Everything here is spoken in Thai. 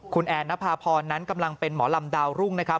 คุณแอนนภาพรนั้นกำลังเป็นหมอลำดาวรุ่งนะครับ